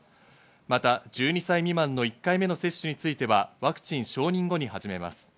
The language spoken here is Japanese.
また１２歳未満の１回目の接種についてはワクチン承認後に始めます。